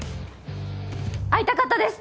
会いたかったです！